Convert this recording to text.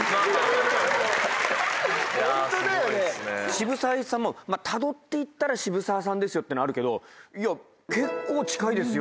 渋沢栄一さんもたどっていったら渋沢さんですよってのあるけどいや結構近いですよ！